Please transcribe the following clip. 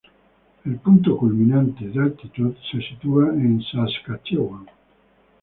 El punto culminante se sitúa en Saskatchewan a de altitud.